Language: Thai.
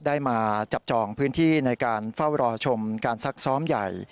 ได้มาจับจองพื้นที่ในการเฝ้ารอชมการซักซ้อมใหญ่